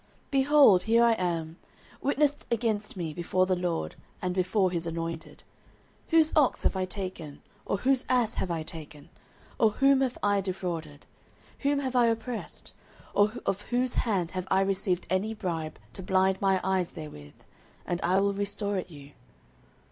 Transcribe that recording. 09:012:003 Behold, here I am: witness against me before the LORD, and before his anointed: whose ox have I taken? or whose ass have I taken? or whom have I defrauded? whom have I oppressed? or of whose hand have I received any bribe to blind mine eyes therewith? and I will restore it you.